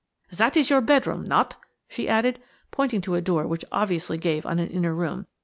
Zat is your bedroom–not?" she added, pointing to a door which obviously gave on an inner room.